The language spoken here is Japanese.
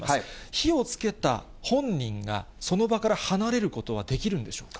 火をつけた本人が、その場から離れることはできるんでしょうか。